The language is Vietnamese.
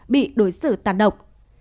bị đối xử tàn ác